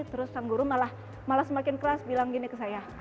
terus sang guru malah semakin keras bilang gini ke saya